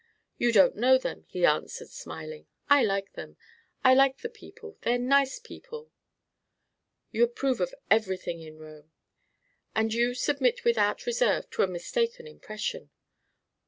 "You don't know them," he answered, smiling. "I like them. I like the people. They're nice people." "You approve of everything in Rome." "And you submit without reserve to a mistaken impression."